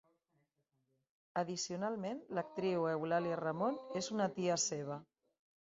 Addicionalment, l'actriu Eulàlia Ramon és una tia seva.